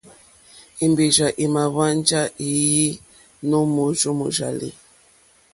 Èmbèrzà èmà hwánjá wéèyé nǒ mòrzó mòrzàlì.